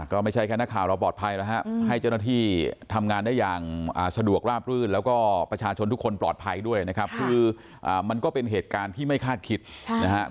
ก็ไม่ใช่แค่นักข่าวเราปลอดภัยแล้วครับให้เจ้าหน้าที่ทำงานได้อย่างสะดวกราบรื่นแล้วก็ประชาชนทุกคนปลอดภัยด้วยนะครับคือมันก็เป็นเหตุการณ์ที่ไม่คาดคิดนะฮะ